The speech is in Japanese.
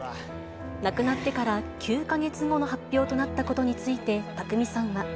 亡くなってから９か月後の発表となったことについて、匠さんは。